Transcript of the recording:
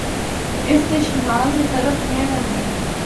اس دے شمال دے طرف نہراں ہن۔